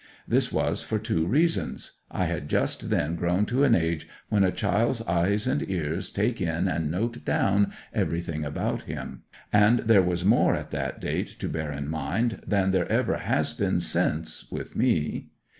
This was for two reasons: I had just then grown to an age when a child's eyes and ears take in and note down everything about him, and there was more at that date to bear in mind than there ever has been since with me.